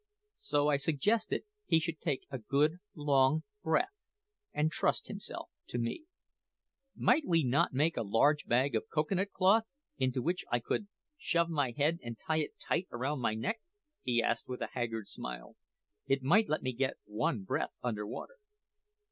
So I suggested that he should take a good, long breath, and trust himself to me. "`Might we not make a large bag of cocoa nut cloth, into which I could shove my head, and tie it tight round my neck?' he asked with a haggard smile. `It might let me get one breath under water!'